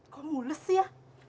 kok mulus sih ya